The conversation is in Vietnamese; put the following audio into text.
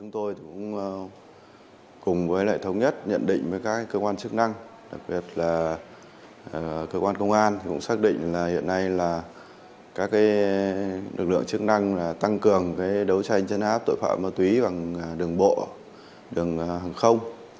thực định là hiện nay là các lực lượng chức năng tăng cường đấu tranh chấn áp tội phạm ma túy bằng đường bộ đường hàng không